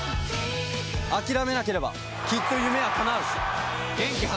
諦めなければきっと夢は叶う！